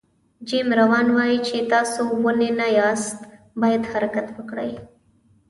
جیم ران وایي چې تاسو ونې نه یاست باید حرکت وکړئ.